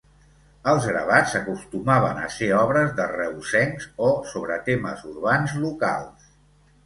Els gravats acostumaven a ser obres de reusencs o sobre temes urbans locals.